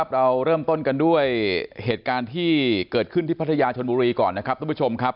เราเริ่มต้นกันด้วยเหตุการณ์ที่เกิดขึ้นที่พัทยาชนบุรีก่อนนะครับทุกผู้ชมครับ